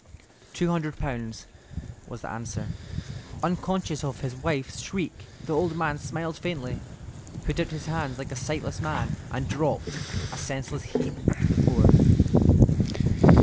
"Two hundred pounds," was the answer. Unconscious of his wife's shriek, the old man smiled faintly, put out his hands like a sightless man, and dropped, a senseless heap, to the floor.